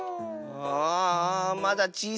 ああまだちいさいね。